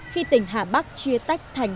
khi tỉnh hà bắc chia tách thành